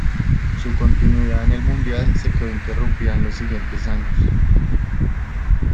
Su continuidad en el Mundial se quedó interrumpida en los siguientes años.